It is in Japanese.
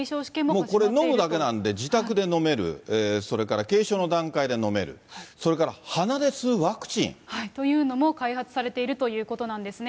これもう飲むだけなので、自宅で飲める、それから軽症の段階で飲める、それから鼻で吸うワクチン。というのも、開発されているということなんですね。